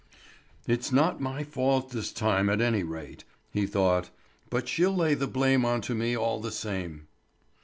"It's not my fault this time at any rate," he thought; "but she'll lay the blame on to me all the same."